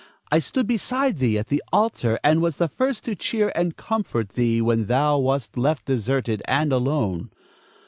I stood beside thee at the altar, and was the first to cheer and comfort thee when thou wast left deserted and alone.